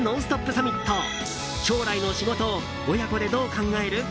サミット将来の仕事親子でどう考える？